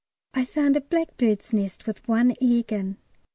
I found a blackbird's nest with one egg in.